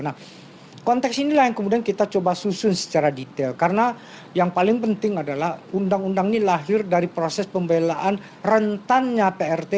nah konteks inilah yang kemudian kita coba susun secara detail karena yang paling penting adalah undang undang ini lahir dari proses pembelaan rentannya prt